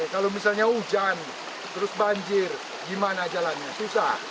kalau misalnya hujan terus banjir gimana jalannya susah